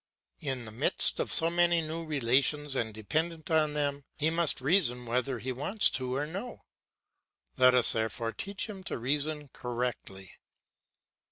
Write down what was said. In the midst of so many new relations and dependent on them, he must reason whether he wants to or no. Let us therefore teach him to reason correctly.